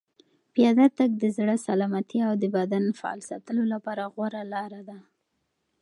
پیاده تګ د زړه سلامتیا او د بدن فعال ساتلو لپاره غوره لاره ده.